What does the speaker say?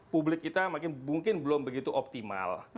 publik kita makin mungkin belum begitu optimal